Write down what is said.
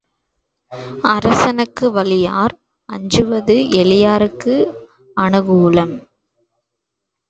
அரசனுக்கு வலியார் அஞ்சுவது எளியாருக்கு அநுகூலம்.